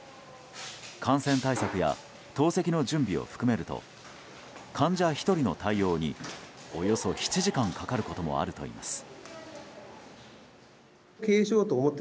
感染対策や透析の準備を含めると患者１人の対応におよそ７時間かかることもあるといいます。